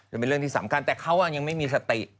มันเป็นเรื่องที่สำคัญแต่เขายังไม่มีสติ